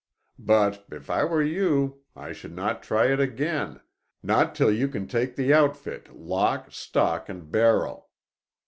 But if I were you I should not try it again—not till you can take the outfit lock, stock, and barrel.